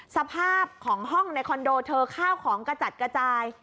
สภาพของห้องในคอนโดเธอข้าวของกระจัดกระจาย